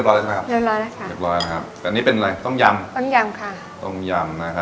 นะครับผมฮั่อชิมกับน้ำบอกล่ะกันอ่ะนะนะครับอันนี้ปรุงรสเรียบร้อยแล้วค่ะ